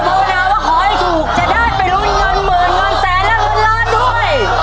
เราโบนาว่าขอให้ถูกจะได้ไปรุน๑๐๐๐๐บาทรุนแสนและรุนล้านด้วย